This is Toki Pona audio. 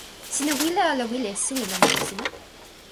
sina wile ala wile e suwi lon moku sina?